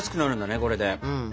これで。